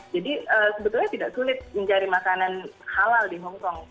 jadi sebetulnya tidak sulit mencari makanan halal di hongkong